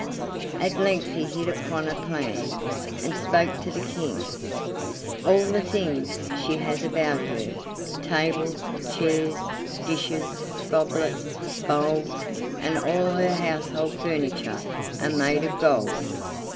At length he hit upon a plan, and spoke to the King: "All the things she has about her tables, chairs, dishes, goblets, bowls, and all her household furniture are made of gold.